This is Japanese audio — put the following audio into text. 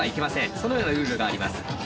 そのようなルールがあります。